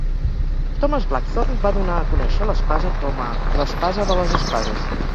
Thomas Blackthorne va donar a conèixer l'espasa com a "L'espasa de les espases".